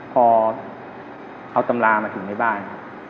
พอเอาตำรามาถึงในบ้านครับ